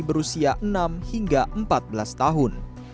berusia enam hingga empat belas tahun